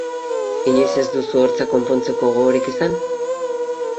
Inoiz ez duzu hortza konpontzeko gogorik izan?